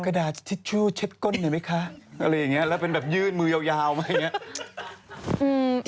กระดาษทิชชูเช็บก้นเห็นไหมคะอะไรอย่างนี้แล้วเป็นแบบยืนมือยาวอะไรอย่างนี้